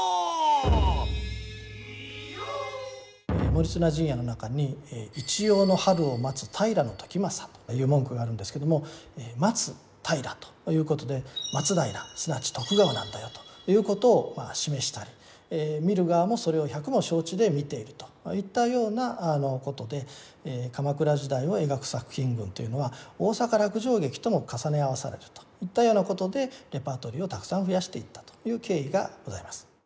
「盛綱陣屋」の中にという文句があるんですけども「待つ平」ということで「松平」すなわち徳川なんだよということを示したり見る側もそれを百も承知で見ているといったようなことで鎌倉時代を描く作品群というのは大坂落城劇とも重ね合わされるといったようなことでレパートリーをたくさん増やしていったという経緯がございます。